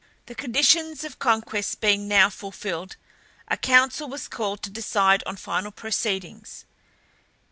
The conditions of conquest being now fulfilled, a council was called to decide on final proceedings.